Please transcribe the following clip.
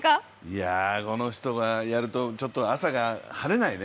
いや、この人がやると、ちょっと朝が晴れないね。